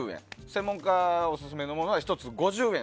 専門家オススメのものは１つ５０円。